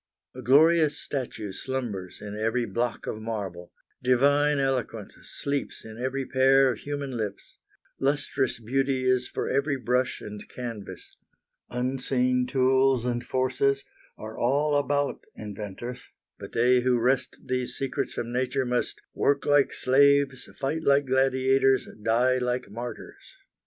A glorious statue slumbers in every block of marble; divine eloquence sleeps in every pair of human lips; lustrous beauty is for every brush and canvas; unseen tools and forces are all about inventors, but they who wrest these secrets from nature must "work like slaves, fight like gladiators, die like martyrs."